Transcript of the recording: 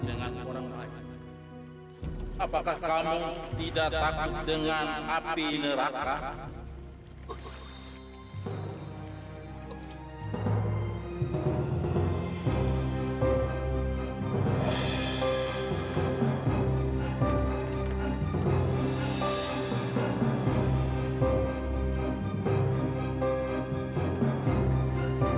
dengan orang lain apakah kamu tidak takut dengan api neraka